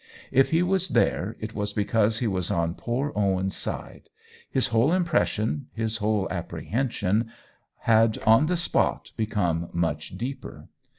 If he was there it was because he was on poor Owen's side. His whole impression, his whole apprehension, had on the spot become much deeper.